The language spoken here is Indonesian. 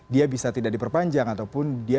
dia bisa tidak diperpanjang ataupun dia